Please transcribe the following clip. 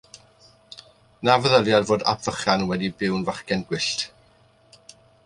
Na feddylier fod Ap Vychan wedi byw'n fachgen gwyllt.